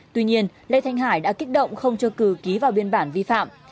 tuy nhiên lê thanh hải đã kích động không cho cử ký vào biên bản vi phạm